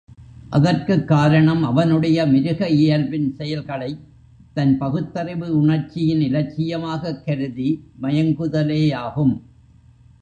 அதற்குக் காரணம் அவனுடைய மிருக இயல்பின் செயல்களைத் தன் பகுத்தறிவு உணர்ச்சியின் இலட்சியமாகக் கருதி மயங்குதலேயாகும்.